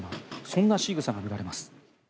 そんなしぐさが見られます。